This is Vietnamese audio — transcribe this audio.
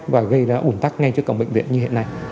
và gây ra ủn tắc ngay trước cổng bệnh viện như hiện nay